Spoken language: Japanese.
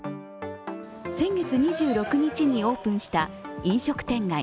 先月２６日にオープンした飲食店街